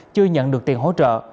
chưa nhận được tiền hỗ trợ